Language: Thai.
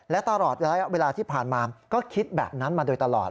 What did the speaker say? และตลอดระยะเวลาที่ผ่านมาก็คิดแบบนั้นมาโดยตลอด